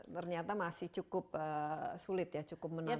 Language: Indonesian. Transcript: ternyata masih cukup sulit ya cukup menurun